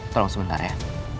tolong sebentar ya